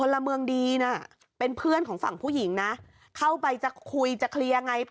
แล้วทำท่าจะชกอีกน่ะ